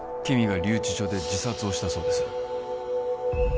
木見が留置所で自殺をしたそうです